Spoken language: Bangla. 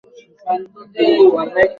একটা বোঝাপড়াও হইয়া গেল কুমুদের সঙ্গে।